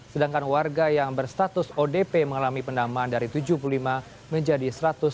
sedangkan warga yang berstatus odp mengalami penambahan dari tujuh puluh lima menjadi seratus